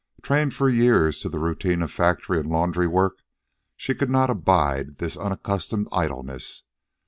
Trained for years to the routine of factory and laundry work, she could not abide this unaccustomed idleness.